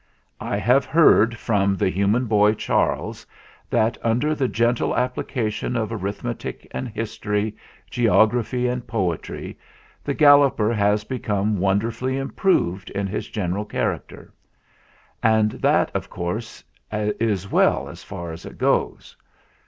I have heard from the hu man boy Charles, that under the gentle appli cation of arithmetic and history, geography and poetry, the Galloper has become wonder fully improved in his general character; and that, of course, is well as far as it goes.